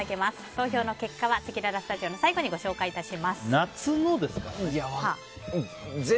投票の結果はせきららスタジオの最後にご紹介いたします。夏のですからね。